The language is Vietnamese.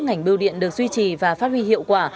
ngành biêu điện được duy trì và phát huy hiệu quả